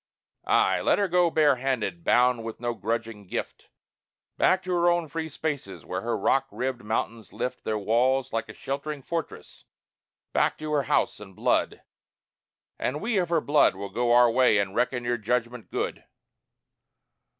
Ay! Let her go bare handed, bound with no grudging gift, Back to her own free spaces where her rock ribbed mountains lift Their walls like a sheltering fortress back to her house and blood. And we of her blood will go our way and reckon your judgment good.